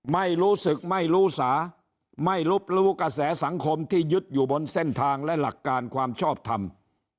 ไม่รู้สึกไม่รู้สาไม่รับรู้กระแสสังคมที่ยึดอยู่บนเส้นทางและหลักการความชอบทำ